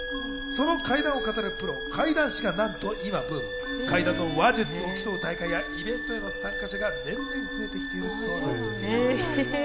その怪談を語るプロ、怪談師が何と今ブーム、怪談の話術を競う大会やイベントへの参加者が年々増えてきているそうなんです。